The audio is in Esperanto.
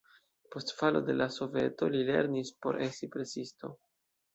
Post falo de la Soveto li lernis por esti presisto.